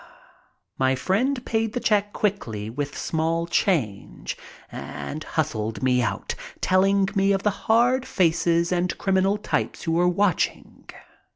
My friend paid the check quickly with small change and hustled me out, telling me of the hard faces and criminal types who were watching.